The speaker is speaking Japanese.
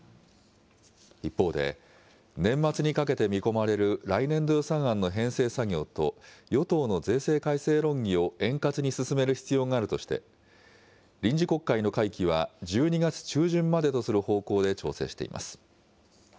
一方で、年末にかけて見込まれる来年度予算案の編成作業と与党の税制改正論議を円滑に進める必要があるとして、臨時国会の会期は１２月中旬までとする方向で調整しています。